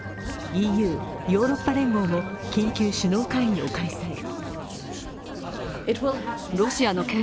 ＥＵ＝ヨーロッパ連合も緊急首脳会議を開催。